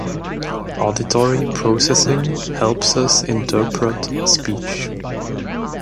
Auditory processing helps us interpret speech.